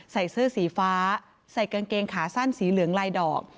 ใส่เสื้อสีฟ้าใส่กางเกงขาสั้นสีเหลืองลายดอก